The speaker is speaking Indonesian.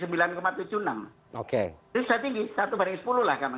sudah tinggi satu banding sepuluh lah